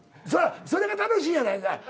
それが楽しいやないかい。